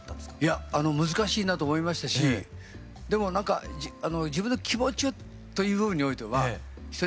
いや難しいなと思いましたしでもなんか自分の気持ちという部分においては人に任せていけないなと。